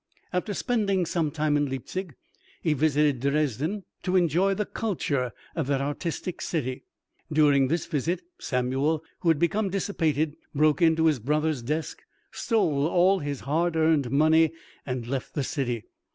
After spending some time in Leipzig, he visited Dresden to enjoy the culture of that artistic city. During this visit, Samuel, who had become dissipated, broke into his brother's desk, stole all his hard earned money, and left the city.